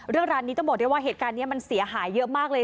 ร้านนี้ต้องบอกได้ว่าเหตุการณ์นี้มันเสียหายเยอะมากเลย